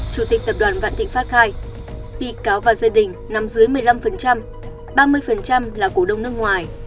chủ tịch tập đoàn vạn thịnh pháp khai bị cáo và gia đình nằm dưới một mươi năm ba mươi là cổ đông nước ngoài